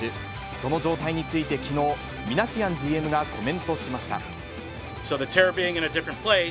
その状態についてきのう、ミナシアンＧＭがコメントしました。